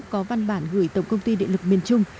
có văn bản gửi tổng công ty địa lực biên trung